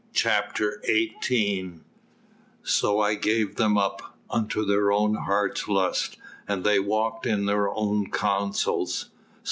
CHAPTER XVIII "So I gave them up unto their own heart's lust: and they walked in their own counsels."